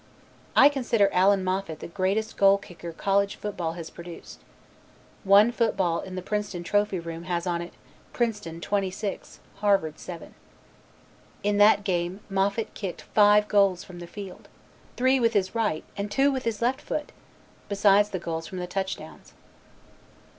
I consider Alex Moffat the greatest goal kicker college football has produced. One football in the Princeton Trophy room has on it, "Princeton 26, Harvard 7." In that game Moffat kicked five goals from the field, three with his right and two with his left foot, besides the goals from the touchdowns.